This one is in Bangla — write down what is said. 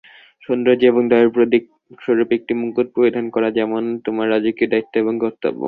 সৌন্দর্য এবং দয়ার প্রতীকস্বরূপ একটা মুকুট পরিধান করা যেমন তোমার রাজকীয় দ্বায়িত্ব এবং কর্তব্য।